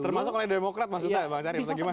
termasuk oleh demokrat mas udha bang sarif atau gimana